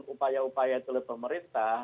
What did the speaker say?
upaya upaya telepon pemerintah